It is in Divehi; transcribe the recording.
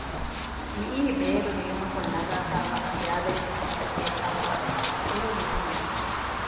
މިއީ ބޭރު ލިޔުމަކުން ނަގައިފައިވާ ޚިޔާލެއްގެ މައްޗަށް ލިޔެފައިވާ ކުރު ލިޔުމެއް